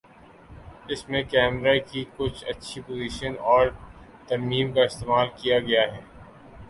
اس میں کیمرہ کی کچھ اچھی پوزیشن اور ترمیم کا استعمال کیا گیا ہے